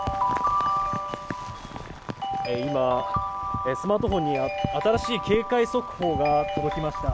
今、スマートフォンに新しい警戒速報が届きました。